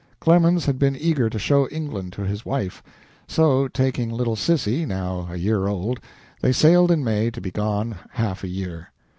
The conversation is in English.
Clemens had been eager to show England to his wife; so, taking little Sissy, now a year old, they sailed in May, to be gone half a year.